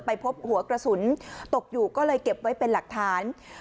พบหัวกระสุนตกอยู่ก็เลยเก็บไว้เป็นหลักฐาน